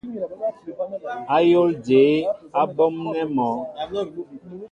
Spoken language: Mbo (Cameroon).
Ayól jeé á ɓɔmnέ mɔ ?